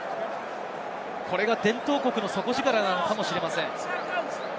これが伝統国の底力なのかもしれません。